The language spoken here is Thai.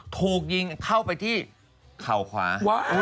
ถูกยิงเข้าไปที่เข่าขวา